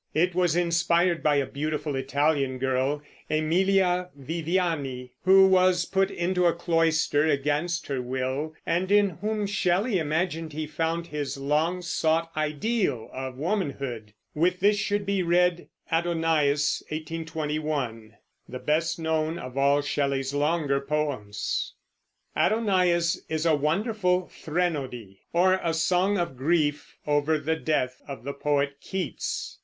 It was inspired by a beautiful Italian girl, Emilia Viviani, who was put into a cloister against her will, and in whom Shelley imagined he found his long sought ideal of womanhood. With this should be read Adonais (1821), the best known of all Shelley's longer poems. Adonais is a wonderful threnody, or a song of grief, over the death of the poet Keats.